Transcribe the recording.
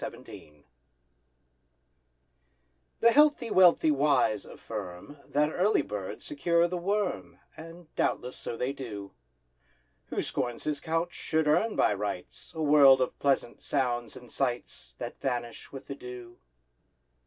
THE GARTER The healthy wealthy wise, affirm, That early birds secure the worm, And doubtless so they do; Who scorns his couch should earn, by rights, A world of pleasant sounds and sights That vanish with the dew.